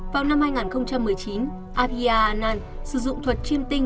vào năm hai nghìn một mươi chín abhya anand sử dụng thuật chiêm tinh